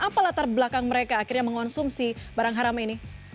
apa latar belakang mereka akhirnya mengonsumsi barang haram ini